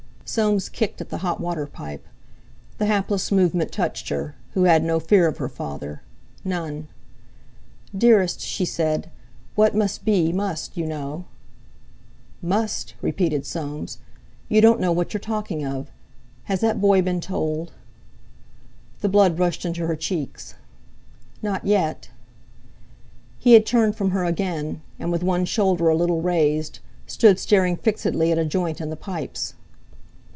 Soames kicked at the hot water pipe. The hapless movement touched her, who had no fear of her father—none. "Dearest!" she said. "What must be, must, you know." "Must!" repeated Soames. "You don't know what you're talking of. Has that boy been told?" The blood rushed into her cheeks. "Not yet." He had turned from her again, and, with one shoulder a little raised, stood staring fixedly at a joint in the pipes.